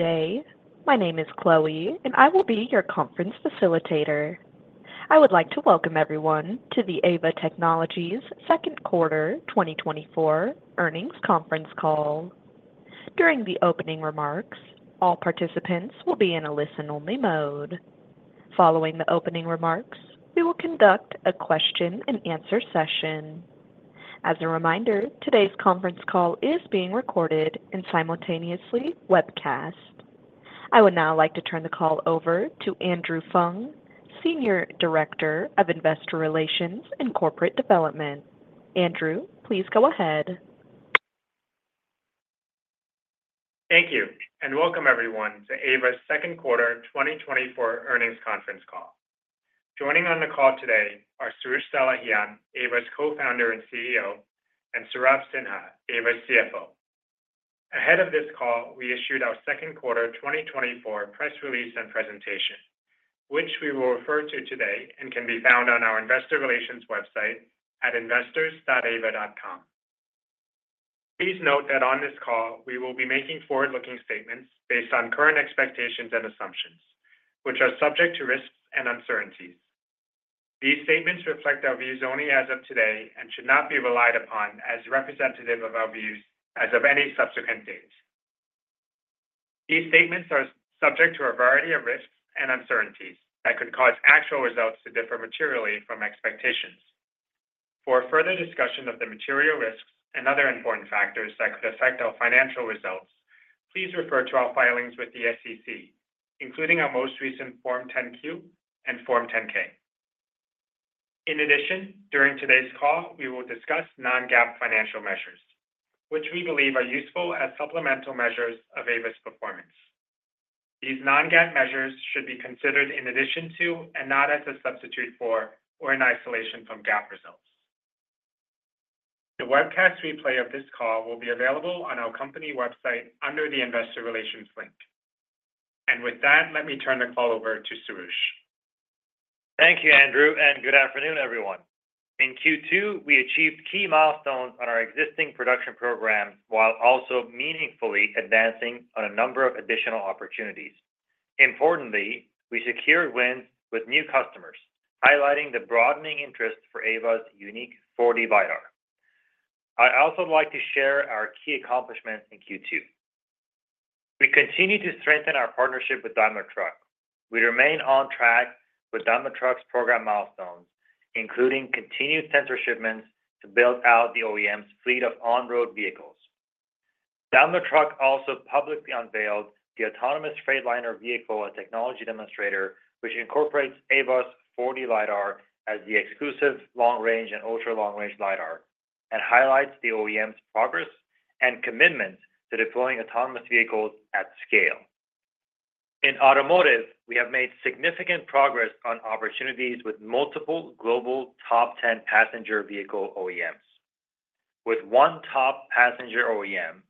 Good day. My name is Chloe, and I will be your conference facilitator. I would like to welcome everyone to the Aeva Technologies second quarter 2024 earnings conference call. During the opening remarks, all participants will be in a listen-only mode. Following the opening remarks, we will conduct a question-and-answer session. As a reminder, today's conference call is being recorded and simultaneously webcast. I would now like to turn the call over to Andrew Fung, Senior Director of Investor Relations and Corporate Development. Andrew, please go ahead. Thank you, and welcome everyone to Aeva's second quarter 2024 earnings conference call. Joining on the call today are Soroush Salehian, Aeva's Co-Founder and CEO, and Saurabh Sinha, Aeva's CFO. Ahead of this call, we issued our second quarter 2024 press release and presentation, which we will refer to today and can be found on our investor relations website at investors.aeva.com. Please note that on this call, we will be making forward-looking statements based on current expectations and assumptions, which are subject to risks and uncertainties. These statements reflect our views only as of today and should not be relied upon as representative of our views as of any subsequent date. These statements are subject to a variety of risks and uncertainties that could cause actual results to differ materially from expectations. For a further discussion of the material risks and other important factors that could affect our financial results, please refer to our filings with the SEC, including our most recent Form 10-Q and Form 10-K. In addition, during today's call, we will discuss non-GAAP financial measures, which we believe are useful as supplemental measures of Aeva's performance. These non-GAAP measures should be considered in addition to, and not as a substitute for, or in isolation from GAAP results. The webcast replay of this call will be available on our company website under the investor relations link. With that, let me turn the call over to Soroush. Thank you, Andrew, and good afternoon, everyone. In Q2, we achieved key milestones on our existing production program while also meaningfully advancing on a number of additional opportunities. Importantly, we secured wins with new customers, highlighting the broadening interest for Aeva's unique 4D LiDAR. I'd also like to share our key accomplishments in Q2. We continue to strengthen our partnership with Daimler Truck. We remain on track with Daimler Truck's program milestones, including continued sensor shipments to build out the OEM's fleet of on-road vehicles. Daimler Truck also publicly unveiled the autonomous Freightliner vehicle and technology demonstrator, which incorporates Aeva's 4D LiDAR as the exclusive long-range and ultra-long-range LiDAR, and highlights the OEM's progress and commitment to deploying autonomous vehicles at scale. In Automotive, we have made significant progress on opportunities with multiple global top 10 passenger vehicle OEMs. With one top passenger OEM,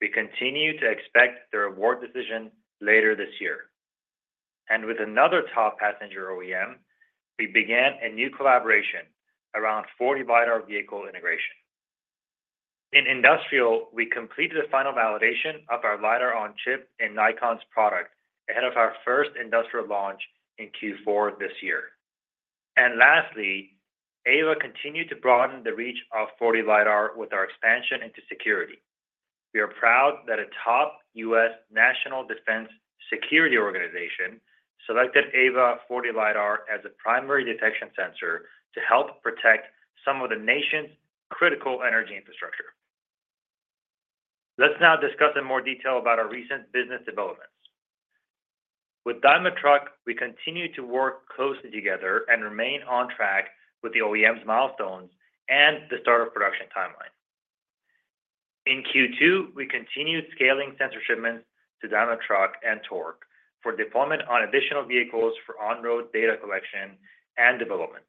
we continue to expect their award decision later this year. With another top passenger OEM, we began a new collaboration around 4D LiDAR vehicle integration. In industrial, we completed the final validation of our LiDAR on chip in Nikon's product ahead of our first industrial launch in Q4 this year. Lastly, Aeva continued to broaden the reach of 4D LiDAR with our expansion into security. We are proud that a top U.S. National Defense security organization selected Aeva 4D LiDAR as a primary detection sensor to help protect some of the nation's critical energy infrastructure. Let's now discuss in more detail about our recent business developments. With Daimler Truck, we continue to work closely together and remain on track with the OEM's milestones and the start of production timeline. In Q2, we continued scaling sensor shipments to Daimler Truck and Torc for deployment on additional vehicles for on-road data collection and development.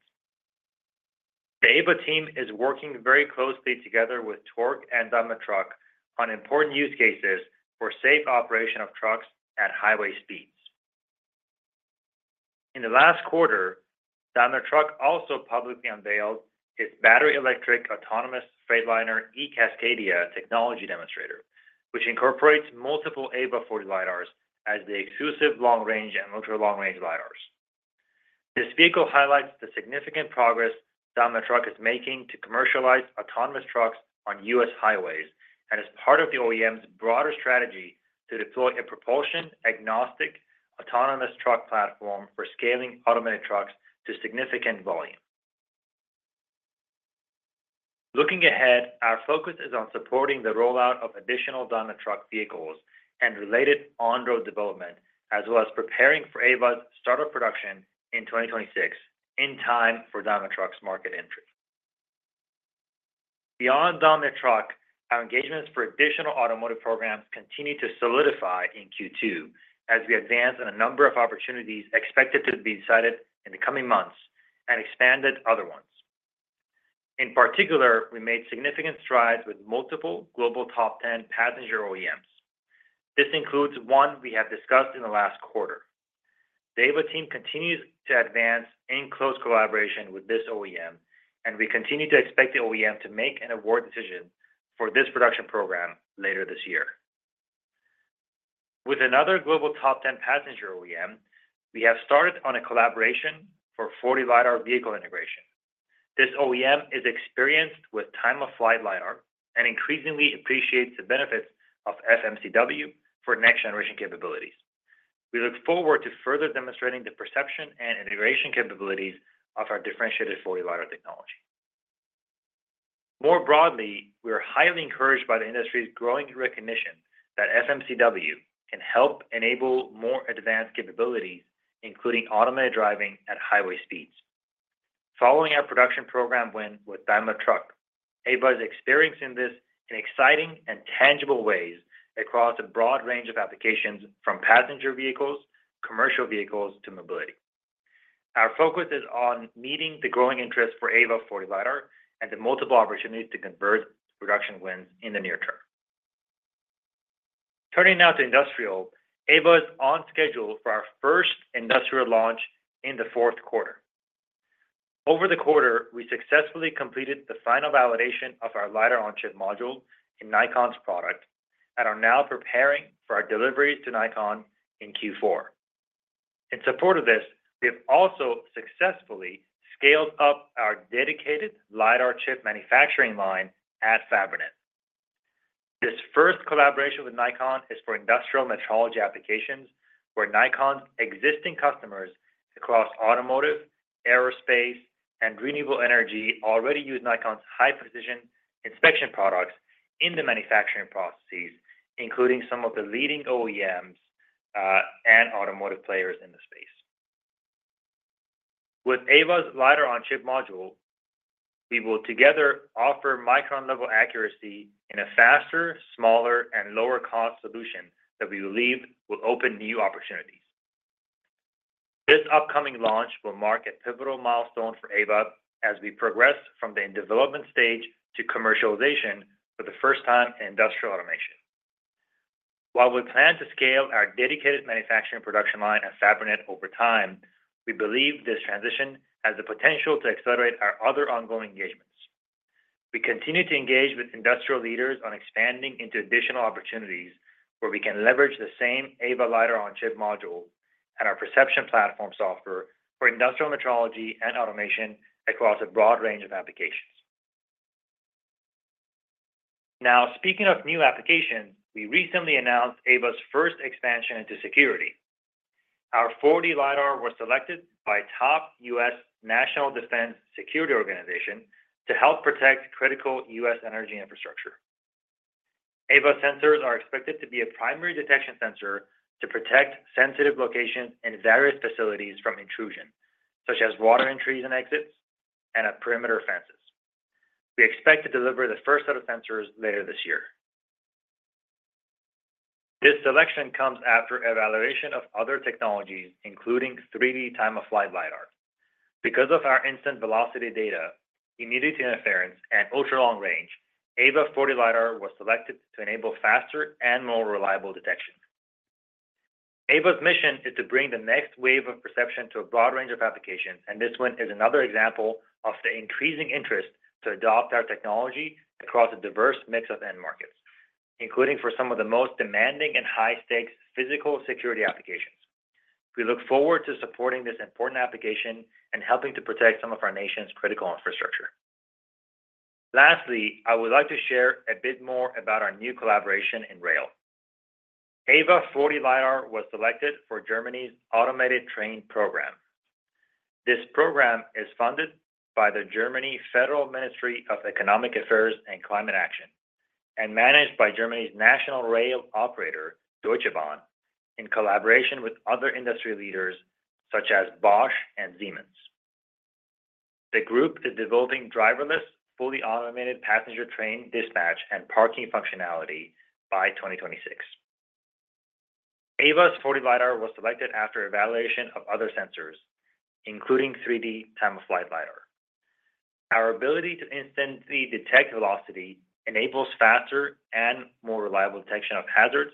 The Aeva team is working very closely together with Torc and Daimler Truck on important use cases for safe operation of trucks at highway speeds. In the last quarter, Daimler Truck also publicly unveiled its battery electric autonomous Freightliner eCascadia technology demonstrator, which incorporates multiple Aeva 4D LiDARs as the exclusive long-range and ultra-long-range LiDARs. This vehicle highlights the significant progress Daimler Truck is making to commercialize autonomous trucks on U.S. highways and is part of the OEM's broader strategy to deploy a propulsion-agnostic, autonomous truck platform for scaling automated trucks to significant volume. Looking ahead, our focus is on supporting the rollout of additional Daimler Truck vehicles and related on-road development, as well as preparing for Aeva's start of production in 2026, in time for Daimler Truck's market entry. Beyond Daimler Truck, our engagements for additional automotive programs continued to solidify in Q2 as we advanced on a number of opportunities expected to be decided in the coming months and expanded other ones. In particular, we made significant strides with multiple global top 10 passenger OEMs. This includes one we have discussed in the last quarter.. The Aeva team continues to advance in close collaboration with this OEM, and we continue to expect the OEM to make an award decision for this production program later this year. With another global top 10 passenger OEM, we have started on a collaboration for 4D LiDAR vehicle integration. This OEM is experienced with Time-of-Flight LiDAR and increasingly appreciates the benefits of FMCW for next-generation capabilities. We look forward to further demonstrating the perception and integration capabilities of our differentiated 4D LiDAR technology. More broadly, we are highly encouraged by the industry's growing recognition that FMCW can help enable more advanced capabilities, including automated driving at highway speeds. Following our production program win with Daimler Truck, Aeva is experiencing this in exciting and tangible ways across a broad range of applications from passenger vehicles, commercial vehicles, to mobility. Our focus is on meeting the growing interest for Aeva 4D LiDAR and the multiple opportunities to convert production wins in the near term. Turning now to industrial, Aeva is on schedule for our first industrial launch in the fourth quarter. Over the quarter, we successfully completed the final validation of our LiDAR-on-chip module in Nikon's product and are now preparing for our delivery to Nikon in Q4. In support of this, we have also successfully scaled up our dedicated LiDAR chip manufacturing line at Fabrinet. This first collaboration with Nikon is for industrial metrology applications, where Nikon's existing customers across Automotive, Aerospace, and Renewable Energy already use Nikon's high-precision inspection products in the manufacturing processes, including some of the leading OEMs and Automotive players in the space. With Aeva's LiDAR-on-chip module, we will together offer micron-level accuracy in a faster, smaller, and lower-cost solution that we believe will open new opportunities. This upcoming launch will mark a pivotal milestone for Aeva as we progress from the development stage to commercialization for the first time in industrial automation. While we plan to scale our dedicated manufacturing production line at Fabrinet over time, we believe this transition has the potential to accelerate our other ongoing engagements. We continue to engage with industrial leaders on expanding into additional opportunities, where we can leverage the same Aeva LiDAR-on-chip module and our perception platform software for industrial metrology and automation across a broad range of applications. Now, speaking of new applications, we recently announced Aeva's first expansion into security. Our 4D LiDAR was selected by top U.S. National Defense Security Organization to help protect critical U.S. energy infrastructure. Aeva sensors are expected to be a primary detection sensor to protect sensitive locations and various facilities from intrusion, such as water entries and exits and perimeter fences. We expect to deliver the first set of sensors later this year. This selection comes after evaluation of other technologies, including 3D Time-of-Flight LiDAR. Because of our instant velocity data, immunity interference, and ultra-long range, Aeva 4D LiDAR was selected to enable faster and more reliable detection. Aeva's mission is to bring the next wave of perception to a broad range of applications, and this one is another example of the increasing interest to adopt our technology across a diverse mix of end markets, including for some of the most demanding and high-stakes physical security applications. We look forward to supporting this important application and helping to protect some of our nation's critical infrastructure. Lastly, I would like to share a bit more about our new collaboration in rail. Aeva 4D LiDAR was selected for Germany's automated train program. This program is funded by the German Federal Ministry of Economic Affairs and Climate Action, and managed by Germany's national rail operator, Deutsche Bahn, in collaboration with other industry leaders such as Bosch and Siemens. The group is developing driverless, fully automated passenger train dispatch and parking functionality by 2026. Aeva's 4D LiDAR was selected after evaluation of other sensors, including 3D Time-of-Flight LiDAR. Our ability to instantly detect velocity enables faster and more reliable detection of hazards,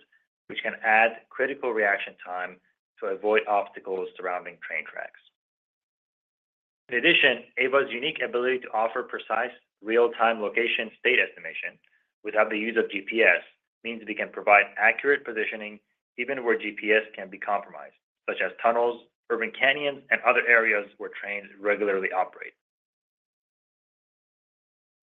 which can add critical reaction time to avoid obstacles surrounding train tracks. In addition, Aeva's unique ability to offer precise real-time location state estimation without the use of GPS, means we can provide accurate positioning even where GPS can be compromised, such as tunnels, urban canyons, and other areas where trains regularly operate.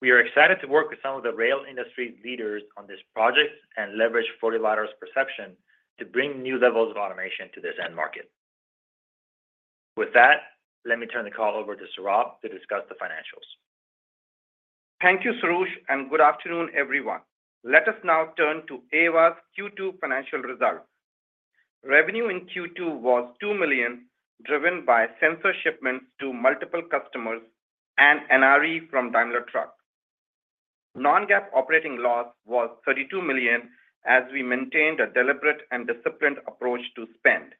We are excited to work with some of the rail industry leaders on this project and leverage 4D LiDAR's perception to bring new levels of automation to this end market. With that, let me turn the call over to Saurabh to discuss the financials. Thank you, Soroush, and good afternoon, everyone. Let us now turn to Aeva's Q2 financial results. Revenue in Q2 was $2 million, driven by sensor shipments to multiple customers and NRE from Daimler Truck. Non-GAAP operating loss was $32 million as we maintained a deliberate and disciplined approach to spend.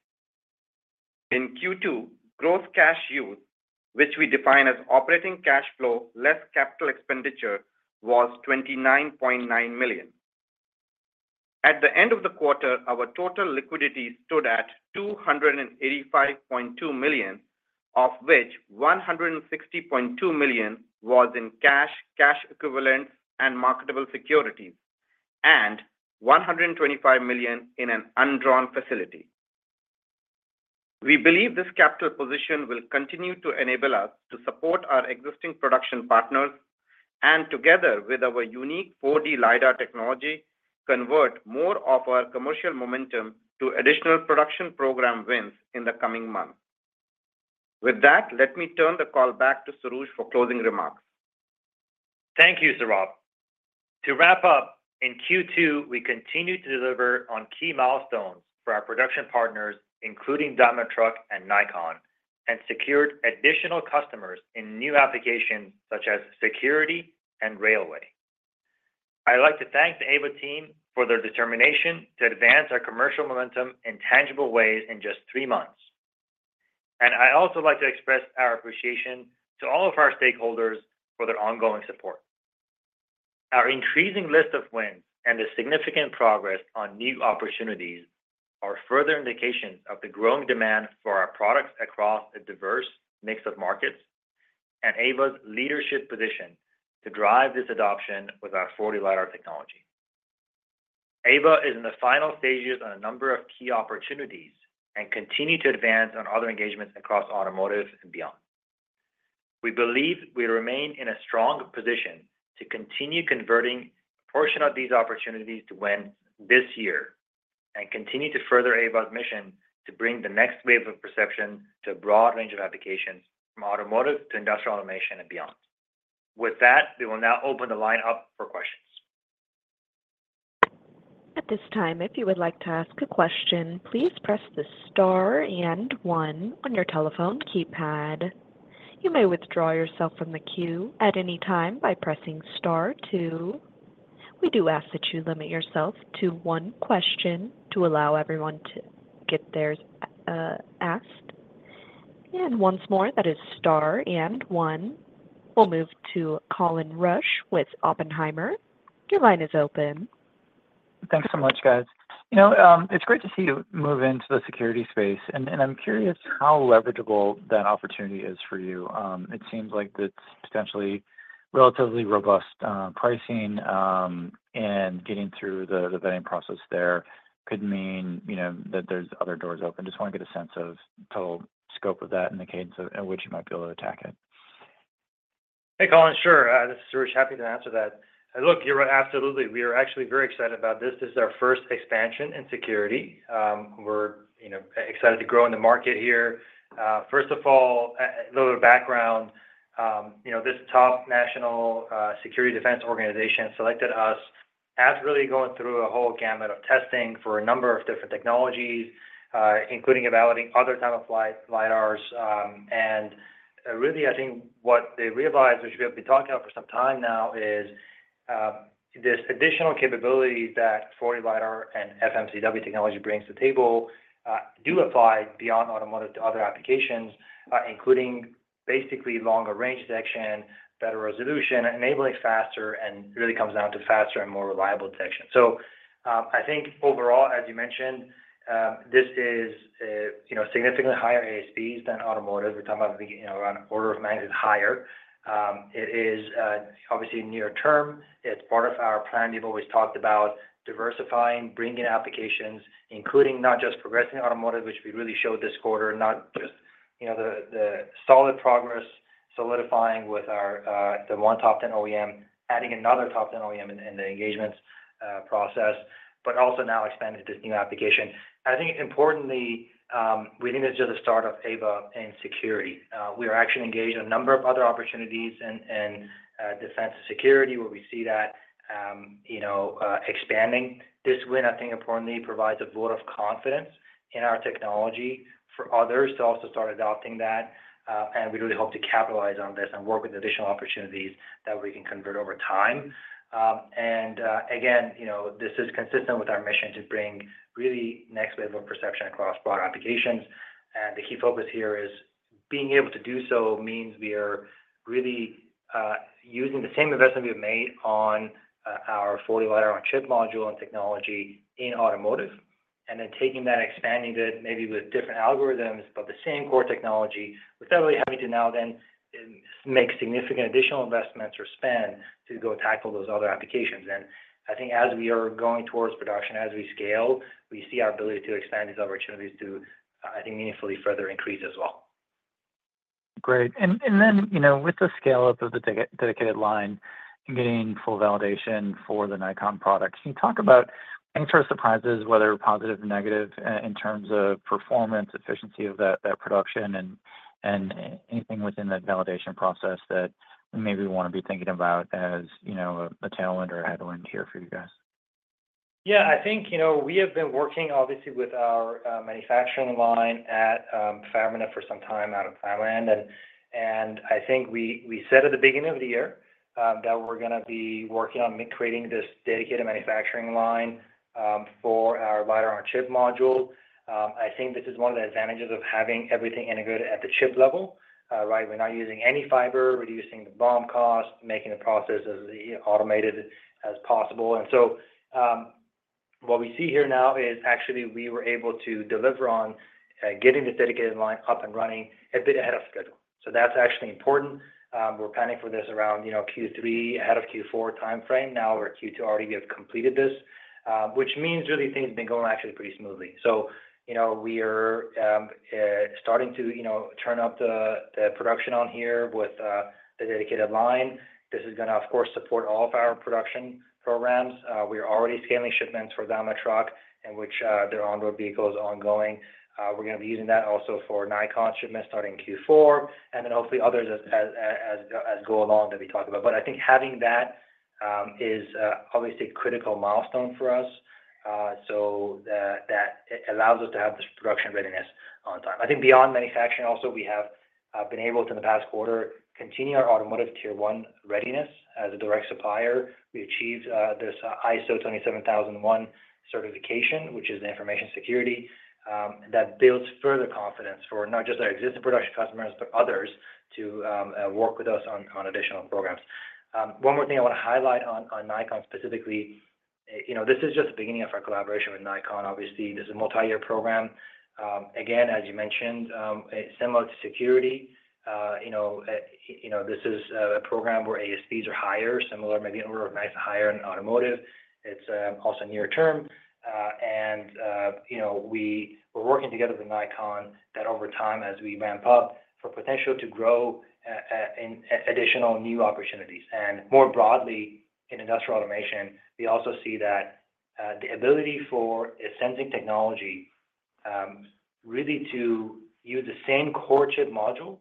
In Q2, gross cash use, which we define as operating cash flow less capital expenditure, was $29.9 million. At the end of the quarter, our total liquidity stood at $285.2 million, of which $160.2 million was in cash, cash equivalent, and marketable securities, and $125 million in an undrawn facility. We believe this capital position will continue to enable us to support our existing production partners, and together with our unique 4D LiDAR technology, convert more of our commercial momentum to additional production program wins in the coming months. With that, let me turn the call back to Soroush for closing remarks. Thank you, Saurabh. To wrap up, in Q2, we continued to deliver on key milestones for our production partners, including Daimler Truck and Nikon, and secured additional customers in new applications such as security and railway. I'd like to thank the Aeva team for their determination to advance our commercial momentum in tangible ways in just three months. I'd also like to express our appreciation to all of our stakeholders for their ongoing support. Our increasing list of wins and the significant progress on new opportunities are further indications of the growing demand for our products across a diverse mix of markets and Aeva's leadership position to drive this adoption with our 4D LiDAR technology. Aeva is in the final stages on a number of key opportunities and continue to advance on other engagements across Automotive and beyond. We believe we remain in a strong position to continue converting a portion of these opportunities to wins this year, and continue to further Aeva's mission to bring the next wave of perception to a broad range of applications, from Automotive to Industrial Automation and beyond. With that, we will now open the line up for questions. At this time, if you would like to ask a question, please press the star and one on your telephone keypad. You may withdraw yourself from the queue at any time by pressing star two. We do ask that you limit yourself to one question to allow everyone to get theirs asked. Once more, that is star and one. We'll move to Colin Rusch with Oppenheimer. Your line is open. Thanks so much, guys. You know, it's great to see you move into the security space, and I'm curious how leverageable that opportunity is for you. It seems like it's potentially relatively robust pricing, and getting through the vetting process there could mean, you know, that there's other doors open. Just wanna get a sense of total scope of that and the cadence at which you might be able to attack it. Hey, Colin. Sure, this is Soroush. Happy to answer that. Look, you're right. Absolutely. We are actually very excited about this. This is our first expansion in security. We're, you know, excited to grow in the market here. First of all, a little background. You know, this top national security defense organization selected us as really going through a whole gamut of testing for a number of different technologies, including evaluating other type of LiDARs. And really, I think what they realized, which we have been talking about for some time now, is this additional capability that 4D LiDAR and FMCW technology brings to the table, do apply beyond automotive to other applications. Including basically longer range detection, better resolution, enabling faster, and really comes down to faster and more reliable detection. So, I think overall, as you mentioned, this is, you know, significantly higher ASPs than automotive. We're talking about, you know, around an order of magnitude higher. It is, obviously near term, it's part of our plan. We've always talked about diversifying, bringing applications, including not just progressing Automotive, which we really showed this quarter, not just, you know, the, the solid progress solidifying with our, the one top ten OEM, adding another top ten OEM in, in the engagement, process, but also now expanding to this new application. I think importantly, we think this is just the start of Aeva in security. We are actually engaged in a number of other opportunities in Defense and Security, where we see that, you know, expanding this win, I think, importantly, provides a vote of confidence in our technology for others to also start adopting that. And we really hope to capitalize on this and work with additional opportunities that we can convert over time. And, again, you know, this is consistent with our mission to bring really next wave of perception across broad applications. The key focus here is being able to do so means we are really using the same investment we've made on our 4D LiDAR-on-chip module and technology in automotive, and then taking that, expanding it, maybe with different algorithms, but the same core technology, without really having to now then make significant additional investments or spend to go tackle those other applications. I think as we are going towards production, as we scale, we see our ability to expand these opportunities to, I think, meaningfully further increase as well. Great. And then, you know, with the scale-up of the dedicated line and getting full validation for the Nikon products, can you talk about any sort of surprises, whether positive or negative, in terms of performance, efficiency of that production and anything within that validation process that maybe we wanna be thinking about as, you know, a tailwind or a headwind here for you guys? Yeah, I think, you know, we have been working obviously with our manufacturing line at Fabrinet for some time out of Thailand. And I think we said at the beginning of the year that we're gonna be working on creating this dedicated manufacturing line for our LiDAR-on-chip module. I think this is one of the advantages of having everything integrated at the chip level. Right? We're not using any fiber, reducing the BOM cost, making the process as automated as possible. And so what we see here now is actually we were able to deliver on getting the dedicated line up and running a bit ahead of schedule. So that's actually important. We're planning for this around, you know, Q3, ahead of Q4 timeframe. Now we're Q2 already, we have completed this, which means really things have been going actually pretty smoothly. So, you know, we are starting to, you know, turn up the production on here with the dedicated line. This is gonna, of course, support all of our production programs. We are already scaling shipments for Daimler Truck in which their on-road vehicle is ongoing. We're gonna be using that also for Nikon shipments starting Q4, and then hopefully others as go along that we talk about. But I think having that is obviously a critical milestone for us. So that it allows us to have this production readiness on time. I think beyond manufacturing also, we have been able to, in the past quarter, continue our automotive tier one readiness as a direct supplier. We achieved this ISO 27001 certification, which is an information security that builds further confidence for not just our existing production customers, but others to work with us on additional programs. One more thing I wanna highlight on Nikon specifically. You know, this is just the beginning of our collaboration with Nikon. Obviously, this is a multi-year program. Again, as you mentioned, similar to security, you know, this is a program where ASPs are higher, similar, maybe in order of magnitude higher in Automotive. It's also near term, and you know, we're working together with Nikon that over time, as we ramp up, for potential to grow in additional new opportunities. More broadly in Industrial Automation, we also see that the ability for a sensing technology really to use the same core chip module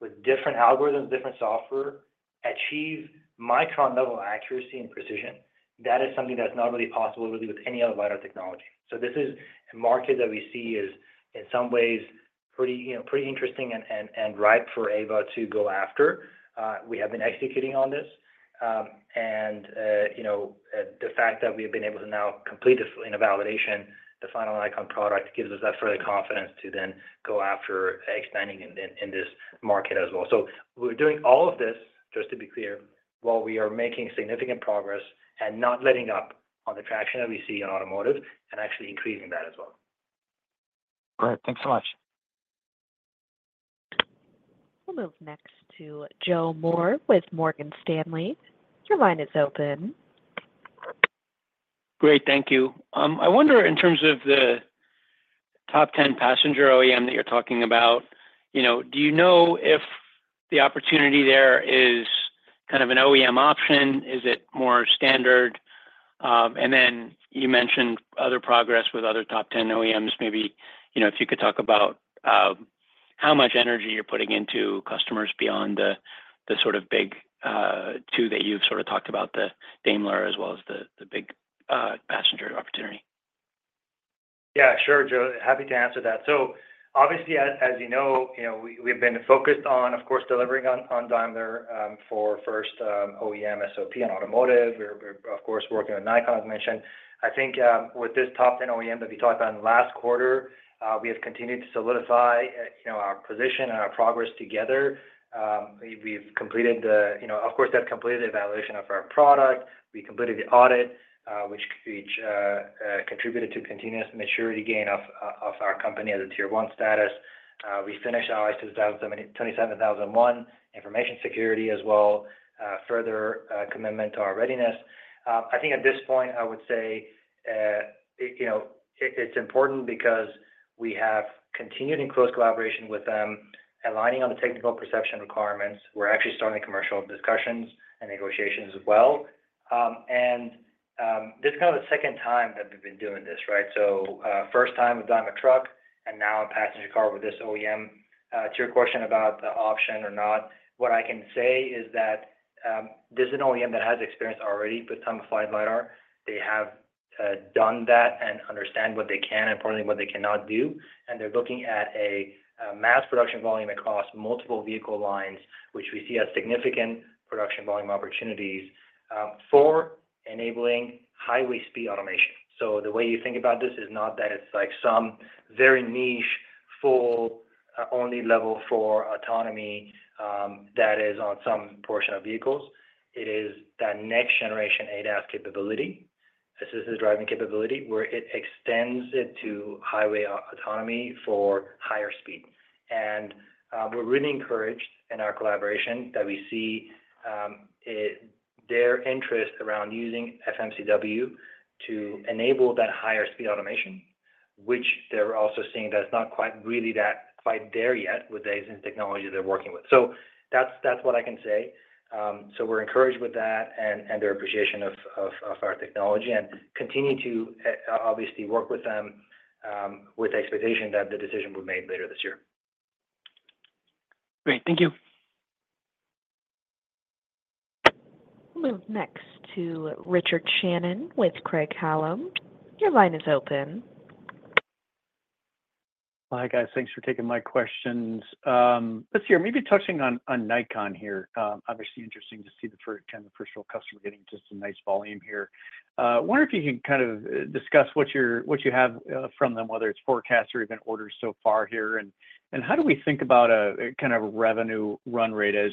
with different algorithms, different software, achieve micron level accuracy and precision. That is something that's not really possible really with any other LiDAR technology. So this is a market that we see is, in some ways pretty, you know, pretty interesting and ripe for Aeva to go after. We have been executing on this, and you know, the fact that we've been able to now complete this in a validation, the final Nikon product, gives us that further confidence to then go after expanding in then, in this market as well. We're doing all of this, just to be clear, while we are making significant progress and not letting up on the traction that we see in automotive and actually increasing that as well. Great. Thanks so much. We'll move next to Joe Moore with Morgan Stanley. Your line is open. Great, thank you. I wonder in terms of the top 10 passenger OEM that you're talking about, you know, do you know if the opportunity there is kind of an OEM option? Is it more standard? And then you mentioned other progress with other top 10 OEMs. Maybe, you know, if you could talk about how much energy you're putting into customers beyond the sort of Big 2 that you've sort of talked about, the Daimler as well as the big passenger opportunity. Yeah, sure, Joe. Happy to answer that. So obviously, as, as you know, you know, we, we've been focused on, of course, delivering on, on Daimler, for first, OEM, SOP, and Automotive. We're, of course, working on Nikon, as mentioned. I think, with this top 10 OEM that we talked about in last quarter, we have continued to solidify, you know, our position and our progress together. We've, we've completed the, you know, of course, that completed evaluation of our product. We completed the audit, which, which, contributed to continuous maturity gain of, of our company as a tier one status. We finished our ISO 27001 information security as well, further, commitment to our readiness. I think at this point, I would say, you know, it's important because we have continued in close collaboration with them, aligning on the technical perception requirements. We're actually starting commercial discussions and negotiations as well. This is kind of the second time that we've been doing this, right? So, first time with Daimler Truck, and now a passenger car with this OEM. To your question about the option or not, what I can say is that, this is an OEM that has experience already with Time-of-Flight LiDAR. They have, done that and understand what they can and importantly, what they cannot do. And they're looking at a, mass production volume across multiple vehicle lines, which we see as significant production volume opportunities, for enabling highway speed automation. So the way you think about this is not that it's like some very niche, full, only level four autonomy, that is on some portion of vehicles. It is that next generation ADAS capability, assisted driving capability, where it extends it to highway autonomy for higher speed. And, we're really encouraged in our collaboration that we see, it, their interest around using FMCW to enable that higher speed automation, which they're also seeing that it's not quite really that quite there yet with the existing technology they're working with. So that's, that's what I can say. So we're encouraged with that and, and their appreciation of, of, of our technology, and continue to, obviously, work with them, with the expectation that the decision will be made later this year. Great. Thank you. We'll move next to Richard Shannon with Craig-Hallum. Your line is open. Hi, guys. Thanks for taking my questions. Let's hear, maybe touching on Nikon here. Obviously interesting to see the first, kind of the first real customer getting just a nice volume here. I wonder if you can kind of discuss what you're, what you have from them, whether it's forecast or even orders so far here, and how do we think about a kind of revenue run rate as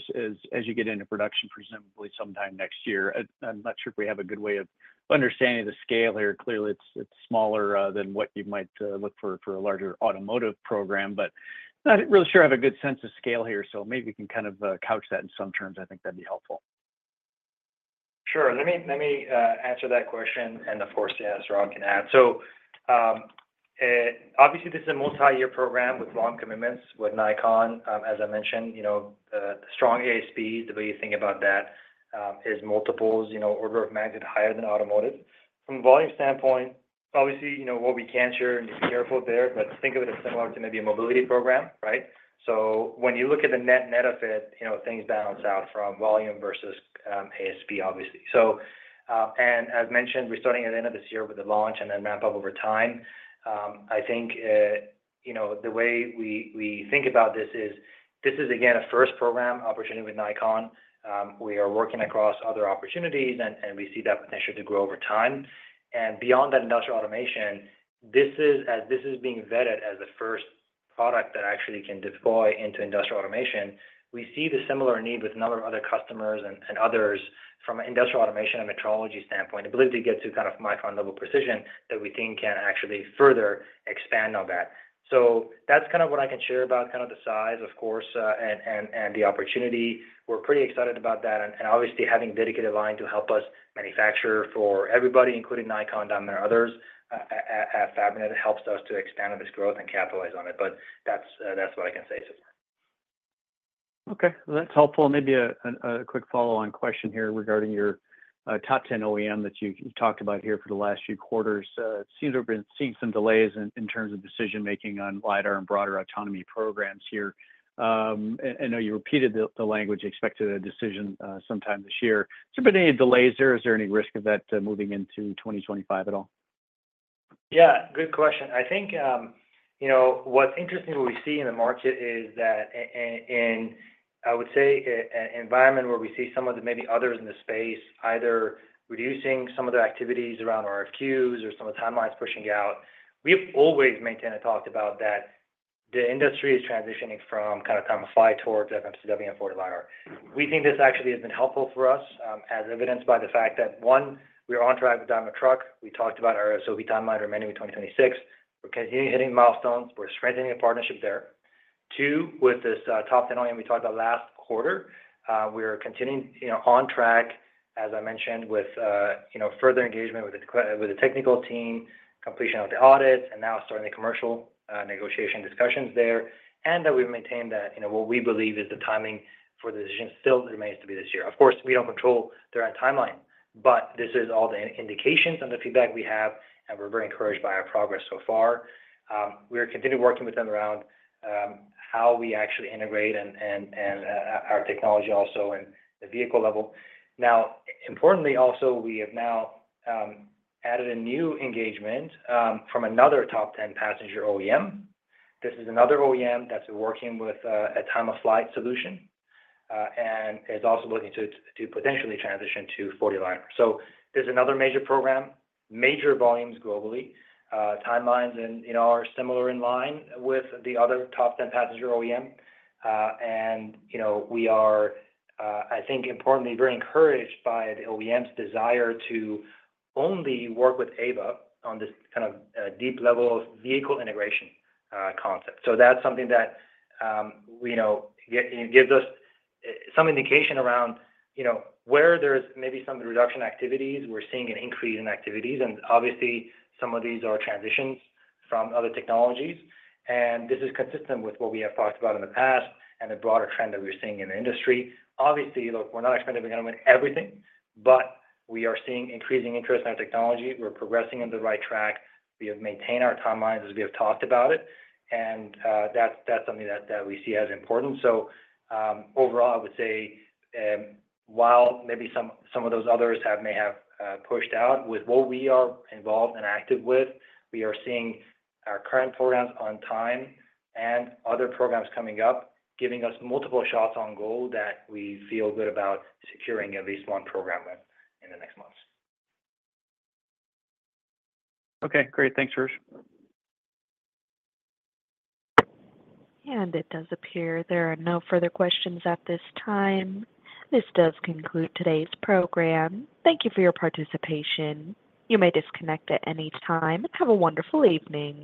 you get into production, presumably sometime next year? I'm not sure if we have a good way of understanding the scale here. Clearly, it's smaller than what you might look for for a larger automotive program, but. Not really sure I have a good sense of scale here, so maybe we can kind of couch that in some terms. I think that'd be helpful. Sure. Let me, let me, answer that question, and of course, yes, Saurabh can add. So, obviously, this is a multi-year program with long commitments with Nikon. As I mentioned, you know, strong ASP, the way you think about that, is multiples, you know, order of magnitude higher than Automotive. From a volume standpoint, obviously, you know, what we can share, need to be careful there, but think of it as similar to maybe a mobility program, right? So when you look at the net net of it, you know, things balance out from volume versus, ASP, obviously. So, and as mentioned, we're starting at the end of this year with the launch and then ramp up over time. I think, you know, the way we, we think about this is, this is, again, a first program opportunity with Nikon. We are working across other opportunities, and we see that potential to grow over time. And beyond that industrial automation, this is being vetted as the first product that actually can deploy into Industrial Automation. We see the similar need with a number of other customers and others from an Industrial Automation and Metrology standpoint. I believe to get to kind of micron level precision that we think can actually further expand on that. So that's kind of what I can share about kind of the size, of course, and the opportunity. We're pretty excited about that, and obviously, having dedicated line to help us manufacture for everybody, including Nikon, Daimler, others, at Fabrinet, helps us to expand on this growth and capitalize on it. But that's what I can say, so. Okay, well, that's helpful. Maybe a quick follow-on question here regarding your top ten OEM that you talked about here for the last few quarters. It seems to have been seeing some delays in terms of decision making on lidar and broader autonomy programs here. I know you repeated the language, expected a decision sometime this year. Has there been any delays there? Is there any risk of that moving into 2025 at all? Yeah, good question. I think, you know, what's interesting what we see in the market is that in, I would say, an environment where we see some of the maybe others in the space, either reducing some of their activities around RFQs or some of the timelines pushing out. We've always maintained and talked about that the industry is transitioning from kind of Time-of-Flight towards FMCW and 4D LiDAR. We think this actually has been helpful for us, as evidenced by the fact that, one, we are on track with Daimler Truck. We talked about our SOP timeline remaining in 2026. We're continuing hitting milestones. We're strengthening a partnership there. Two, with this, top 10 OEM we talked about last quarter, we are continuing, you know, on track, as I mentioned, with, further engagement with the with the technical team, completion of the audit, and now starting the commercial, negotiation discussions there, and that we've maintained that, you know, what we believe is the timing for the decision still remains to be this year. Of course, we don't control their own timeline, but this is all the indications and the feedback we have, and we're very encouraged by our progress so far. We are continuing working with them around, how we actually integrate and, our technology also in the vehicle level. Now, importantly, also, we have now, added a new engagement, from another top ten passenger OEM. This is another OEM that's working with a Time-of-Flight solution and is also looking to potentially transition to 4D LiDAR. So there's another major program, major volumes globally. Timelines and, you know, are similar in line with the other top 10 passenger OEM. And, you know, we are, I think importantly, very encouraged by the OEM's desire to only work with Aeva on this kind of deep level of vehicle integration concept. So that's something that we know gives us some indication around, you know, where there's maybe some reduction activities, we're seeing an increase in activities, and obviously, some of these are transitions from other technologies. And this is consistent with what we have talked about in the past and the broader trend that we're seeing in the industry. Obviously, look, we're not expecting to win everything, but we are seeing increasing interest in our technology. We're progressing in the right track. We have maintained our timelines as we have talked about it, and that's something that we see as important. So, overall, I would say, while maybe some of those others may have pushed out with what we are involved and active with, we are seeing our current programs on time and other programs coming up, giving us multiple shots on goal that we feel good about securing at least one program with in the next months. Okay, great. Thanks, Soroush. It does appear there are no further questions at this time. This does conclude today's program. Thank you for your participation. You may disconnect at any time. Have a wonderful evening.